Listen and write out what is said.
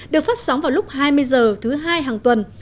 được phát sóng vào lúc hai mươi h thứ hai hàng tuần